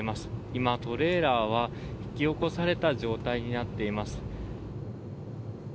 今、トレーラーは引き起こされた状態になっています。